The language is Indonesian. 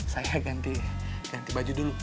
saya ganti baju dulu